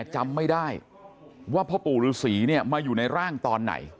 จำไม่ได้ว่าพ่อปู่ฤษีมาอยู่ในร่างตอนไหน